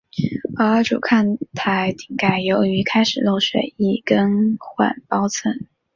而主看台顶盖由于开始漏水亦更换包层。